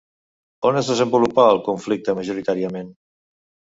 On es desenvolupà el conflicte majoritàriament?